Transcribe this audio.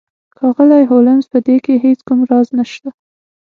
ښاغلی هولمز په دې کې هیڅ کوم راز نشته